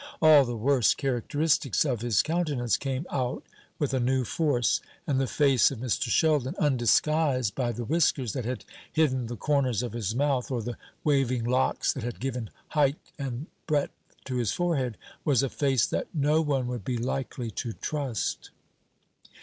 All the worst characteristics of his countenance came out with a new force; and the face of Mr. Sheldon, undisguised by the whiskers that had hidden the corners of his mouth, or the waving locks that had given height and breadth to his forehead, was a face that no one would be likely to trust.